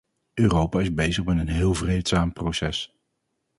Europa is bezig met een heel vreedzaam proces.